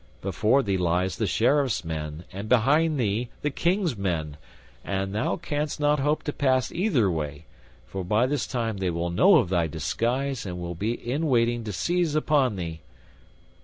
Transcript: Before thee lie the Sheriffs men and behind thee the King's men, and thou canst not hope to pass either way, for by this time they will know of thy disguise and will be in waiting to seize upon thee.